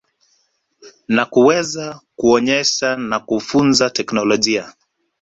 na kuweza kuonyesha na kufunza teknolojia.